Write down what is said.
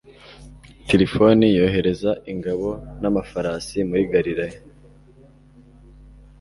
tirifoni yohereza ingabo n'abanyamafarasi muri galileya